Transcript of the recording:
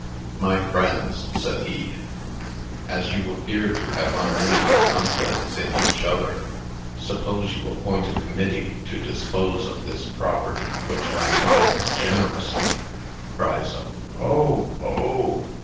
"My friends," said he, "as you appear to have unlimited confidence in each other, suppose you appoint a committee to dispose of this property, which my client generously" (cries of "Oh! oh!")